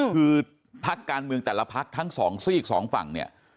คือพักการเมืองแต่ละพักทั้งสองซีกสองฝั่งเนี่ย